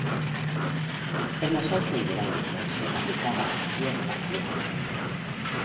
El mosaico hidráulico se fabricaba pieza a pieza.